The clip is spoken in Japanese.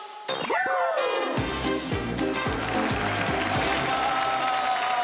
お願いします。